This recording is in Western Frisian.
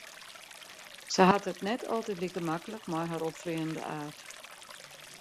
Se hat it net altyd like maklik mei har opfleanende aard.